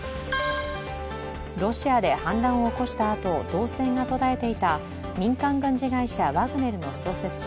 ロシアで反乱を起こしたあと動静が途絶えていた民間軍事会社ワグネルの創設者